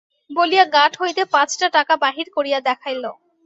বলিয়া গাঁট হইতে পাঁচটা টাকা বাহির করিয়া দেখাইল।